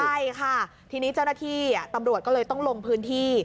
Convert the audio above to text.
ใช่ค่ะทีนี้เจ้าหน้าที่ตำรวจก็เลยต้องลงพื้นที่